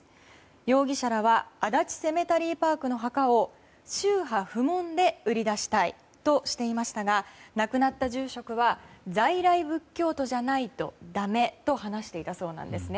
容疑者らは足立セメタリーパークの墓を宗派不問で売り出したいとしていましたが亡くなった住職は在来仏教徒じゃないとだめと話していたそうなんですね。